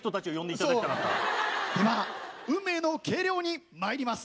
では運命の計量にまいります！